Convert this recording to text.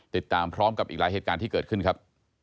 ติดตามพร้อมกับอีกหลายเหตุการณ์ที่เกิดขึ้นครับ